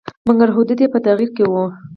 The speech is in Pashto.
مګر حدود یې په تغییر کې وو.